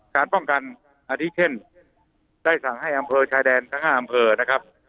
การป้องกันอันนี้เช่นได้สั่งให้อำเภอชายแดนทั้ง๕อำเภอนะครับ